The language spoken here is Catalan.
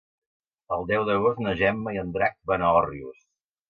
El deu d'agost na Gemma i en Drac van a Òrrius.